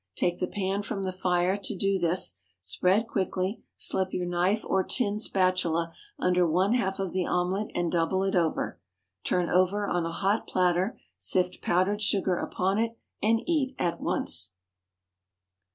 Take the pan from the fire to do this, spread quickly, slip your knife or tin spatula under one half of the omelette, and double it over. Turn over on a hot platter, sift powdered sugar upon it, and eat at once.